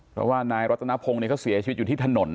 เพราะว่านายรัตนพงศ์เขาเสียชีวิตอยู่ที่ถนน